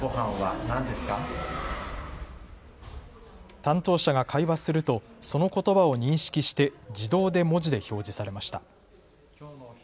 担当者が会話するとそのことばを認識して自動で文字で表示されました。